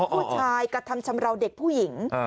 ผู้ชายกระทำชำลาวเด็กผู้หญิง